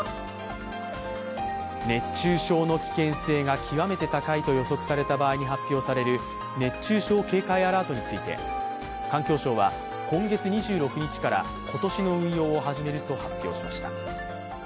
熱中症の危険性が極めて高いと予測された場合に発表される熱中症警戒アラートについて、環境省は今月２６日から今年の運用を始めると発表しました。